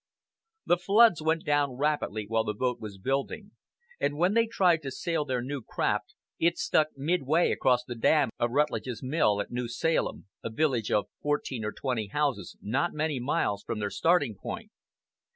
The floods went down rapidly while the boat was building, and when they tried to sail their new craft it stuck midway across the dam of Rutledge's mill at New Salem, a village of fifteen or twenty houses not many miles from their starting point.